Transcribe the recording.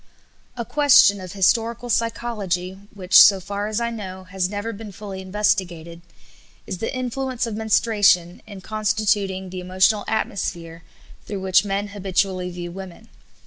A question of historical psychology which, so far as I know, has never been fully investigated is the influence of menstruation in constituting the emotional atmosphere through which men habitually view women.